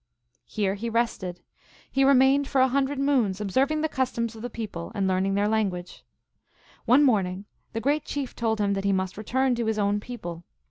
Here he rested. He remained for a hundred moons observing the customs of the people and learning their language. One morning the Great Chief told him that he must return to his own people.